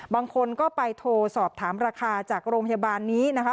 บางคนก็ไปโทรสอบถามราคาจากโรงพยาบาลนี้นะคะ